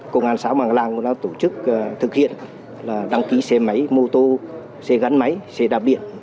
công an xã màng làng cũng đã tổ chức thực hiện đăng ký xe máy mô tô xe gắn máy xe đạp điện